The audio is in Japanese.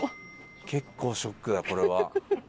結構ショックだこれは。